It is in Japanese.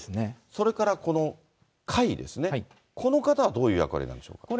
それからこのかいですね、この方はどういう役割なんでしょうか。